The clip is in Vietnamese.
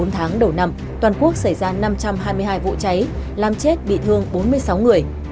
bốn tháng đầu năm toàn quốc xảy ra năm trăm hai mươi hai vụ cháy làm chết bị thương bốn mươi sáu người